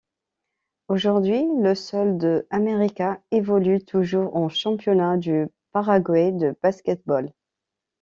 Aujourd'hui, le Sol de América évolue toujours en Championnat du Paraguay de basket-ball.